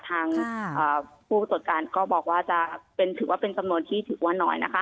ทางผู้ตรวจการก็บอกว่าจะถือว่าเป็นจำนวนที่ถือว่าหน่อยนะคะ